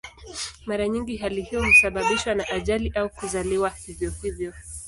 Mara nyingi hali hiyo husababishwa na ajali au kuzaliwa hivyo hivyo.